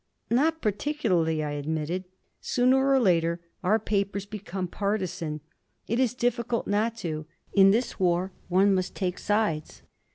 "Not particularly," I admitted. "Sooner or later our papers become partisan. It is difficult not to. In this war one must take sides."